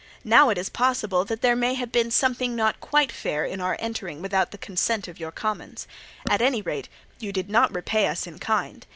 Now it is possible that there may have been something not quite fair in our entering without the consent of your commons. At any rate you did not repay us in kind.